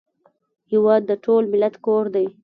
هېواد د ټول ملت کور دی